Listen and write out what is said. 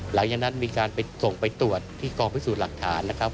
หลังจากนั้นมีการไปส่งไปตรวจที่กองพิสูจน์หลักฐานนะครับ